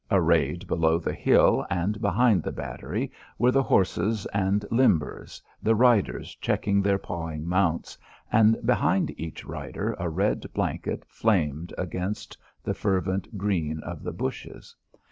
Arrayed below the hill and behind the battery were the horses and limbers, the riders checking their pawing mounts, and behind each rider a red blanket flamed against the fervent green of the bushes.